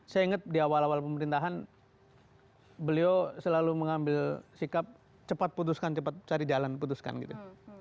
saya ingat di awal awal pemerintahan beliau selalu mengambil sikap cepat putuskan cepat cari jalan putuskan gitu